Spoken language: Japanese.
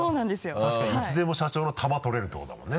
確かにいつでも社長のタマ取れるってことだもんね？